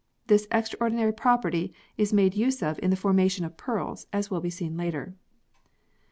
This extraordinary property is made use of in the formation of pearls, as will be seen later.